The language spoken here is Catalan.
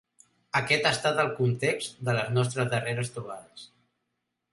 Aquest ha estat el context de les nostres darreres trobades.